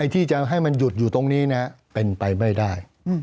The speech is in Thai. ที่จะให้มันหยุดอยู่ตรงนี้เป็นไปไม่ได้